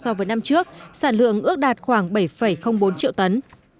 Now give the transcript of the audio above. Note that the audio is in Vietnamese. so với năm trước sản lượng ước đạt khoảng bảy bốn triệu tấn